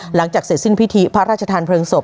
หลังจากเสร็จสิ้นพิธีพระราชทานเพลิงศพ